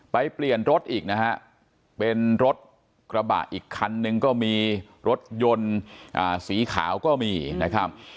เปลี่ยนรถอีกนะฮะเป็นรถกระบะอีกคันนึงก็มีรถยนต์สีขาวก็มีนะครับ